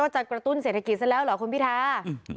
จะกระตุ้นเศรษฐกิจซะแล้วเหรอคุณพิทา